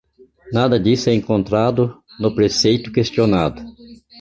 Nada disso é encontrado no preceito questionado.